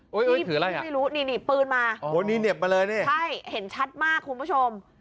เหนียบไม่รู้นี่ปืนมาใช่เห็นชัดมากคุณผู้ชม